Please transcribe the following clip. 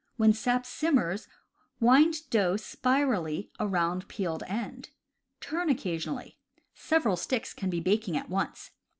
When sap simmers wind dough spirally around peeled end. Turn occasionally. Sev eral sticks can be baking at once.